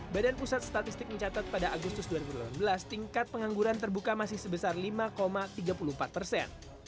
badan pusat statistik mencatat pada agustus dua ribu delapan belas tingkat pengangguran terbuka masih sebesar lima tiga puluh empat persen